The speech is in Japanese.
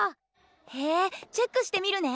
へえチェックしてみるね。